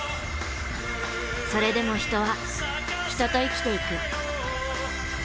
それでも人は人と生きていく。